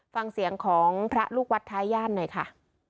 ฟังเสียงของพระลูกวัดท้าย่านหน่อยค่ะ